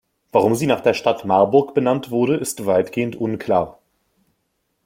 Warum sie nach der Stadt Marburg benannt wurde, ist weitgehend unklar.